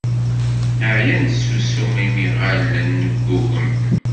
Neɛya nessusum imi ɣallen neggugem!